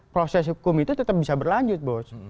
proses hukum itu tetap bisa berlanjut bos